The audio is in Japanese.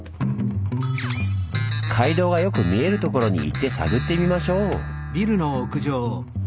街道がよく見えるところに行って探ってみましょう！